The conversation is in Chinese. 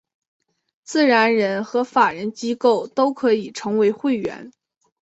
自然人和法人机构都可以成为会员。